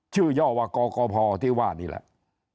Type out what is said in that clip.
ชื่อย่อวะกกพที่ว่านี่แหละ